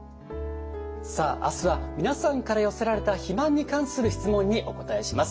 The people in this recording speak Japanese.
さあ明日は皆さんから寄せられた肥満に関する質問にお答えします。